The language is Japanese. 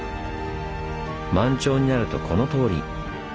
満潮になるとこのとおり。